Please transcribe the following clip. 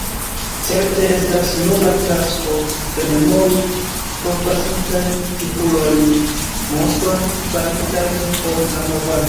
Certe, estas nobla tasko rememori forpasintajn aktivulojn, multon farintajn por la movado.